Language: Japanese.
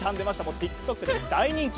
ＴｉｋＴｏｋで大人気。